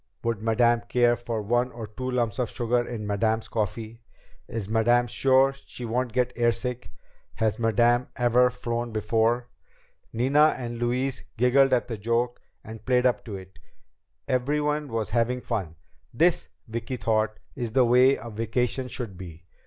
"Would Madame care for one or two lumps of sugar in Madame's coffee?" "Is Madame sure she won't get airsick?" "Has Madame ever flown before?" Nina and Louise giggled at the joke and played up to it. Everyone was having fun. This, Vicki thought, is the way a vacation should be!